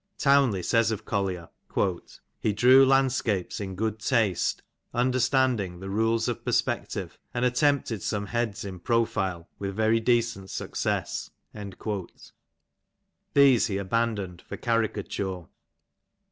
Townley says of Collier :" He drew landscapes in good taste, understanding " the rules of perspective, and attempted some heads in profile with " very decent success.^' These he abandoned for caricature.